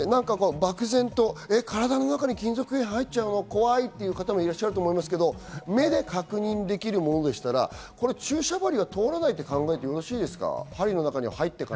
漠然と体の中に金属片が入っちゃうの怖いという方もいると思いますけど、目で確認できるものでしたら注射針は通らないと考えてよろしいですか？